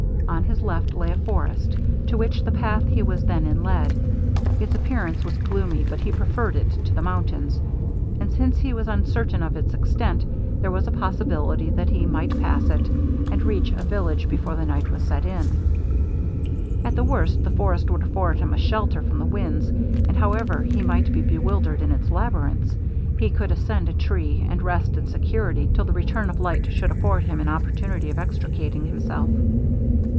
On his left lay a forest, to which the path he was then in led; its appearance was gloomy, but he preferred it to the mountains; and, since he was uncertain of its extent, there was a possibility that he might pass it, and reach a village before the night was set in. At the worst, the forest would afford him a shelter from the winds; and, however he might be bewildered in its labyrinths, he could ascend a tree, and rest in security till the return of light should afford him an opportunity of extricating himself.